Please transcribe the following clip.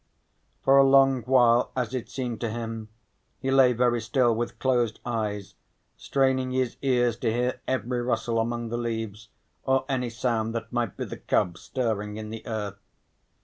For a long while, as it seemed to him, he lay very still, with closed eyes, straining his ears to hear every rustle among the leaves, or any sound that might be the cubs stirring in the earth.